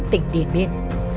tỉnh điện biên